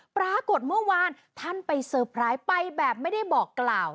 ปรากฏเมื่อวานท่านไปเซอร์ไพรส์ไปแบบไม่ได้บอกกล่าว